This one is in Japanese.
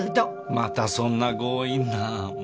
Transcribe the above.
またそんな強引な。